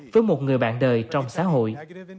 với một người bạn đời trong xã hội